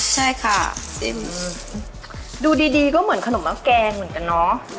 ใช่ค่ะจิ้มดูดีดีก็เหมือนขนมแล้วแกงเหมือนกันเนาะ